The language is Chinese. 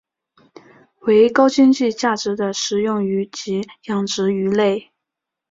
为高经济价值的食用鱼及养殖鱼类。